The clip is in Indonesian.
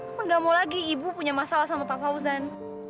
aku enggak mau lagi ibu punya masalah sama papa huzan